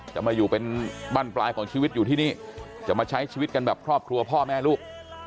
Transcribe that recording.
จะมาอยู่เป็นบ้านปลายของชีวิตอยู่ที่นี่จะมาใช้ชีวิตกันแบบครอบครัวพ่อแม่ลูก